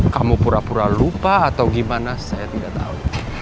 kamu pura pura lupa atau gimana saya tidak tahu